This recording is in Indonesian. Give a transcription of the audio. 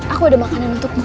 aku ada makanan untukmu